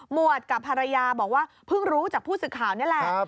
วดกับภรรยาบอกว่าเพิ่งรู้จากผู้สื่อข่าวนี่แหละ